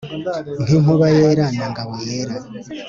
N’inkuba yera na Ngabo yera.